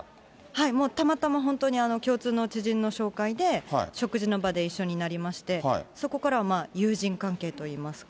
はい、もう、たまたま本当に、共通の知人の紹介で食事の場で一緒になりまして、そこからは友人関係といいますか。